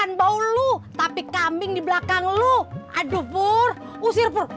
nah masih make mus abang